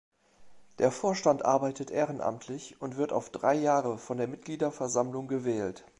Der Vorstand arbeitet ehrenamtlich und wird auf drei Jahre von der Mitgliederversammlung gewählt.